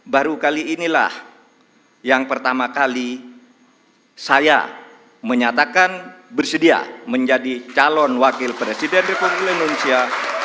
baru kali inilah yang pertama kali saya menyatakan bersedia menjadi calon wakil presiden republik indonesia